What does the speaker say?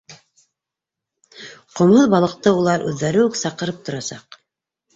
Ҡомһоҙ балыҡты улар үҙҙәре үк саҡырып торасаҡ.